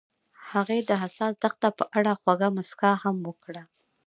هغې د حساس دښته په اړه خوږه موسکا هم وکړه.